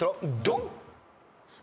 ドン！